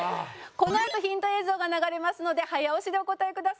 このあとヒント映像が流れますので早押しでお答えください。